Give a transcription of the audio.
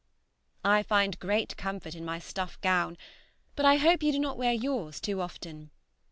I find great comfort in my stuff gown, but I hope you do not wear yours too often.